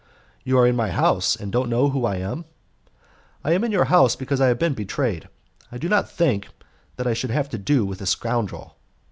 "You are in my house, and don't know who I am?" "I am in your house because I have been betrayed. I did not think that I should have to do with a scoundrel."